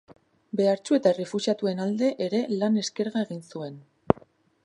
Behartsu eta errefuxiatuen alde ere lan eskerga egin zuen.